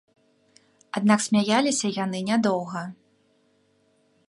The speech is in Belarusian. Аднак смяяліся яны нядоўга.